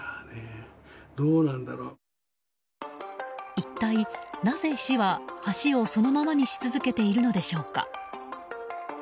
一体なぜ、市は橋をそのままにし続けているのでしょうか。